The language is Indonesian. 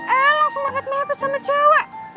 eh langsung nepet nepet sama cewek